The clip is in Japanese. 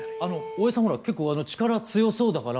大江さんほら結構力強そうだから。